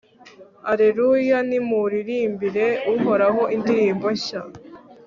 alleluya! nimuririmbire uhoraho indirimbo nshya